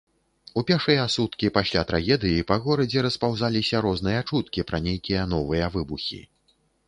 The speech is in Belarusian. У пешыя суткі пасля трагедыі па горадзе распаўзаліся розныя чуткі пра нейкія новыя выбухі.